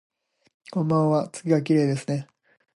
こんばんわ、月がきれいですね